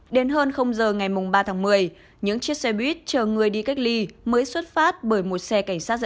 đến hơn giờ ngày ba tháng một mươi những chiếc xe buýt chờ người đi cách ly mới xuất phát bởi một xe cảnh sát giao thông